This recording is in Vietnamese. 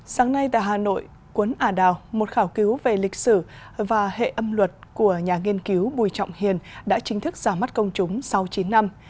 sáng nay tại hà nội quấn ả đào một khảo cứu về lịch sử và hệ âm luật của nhà nghiên cứu bùi trọng hiền đã chính thức ra mắt công chúng sau chín năm